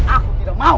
aku tidak mau